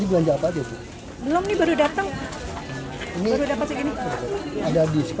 buat tempat arsip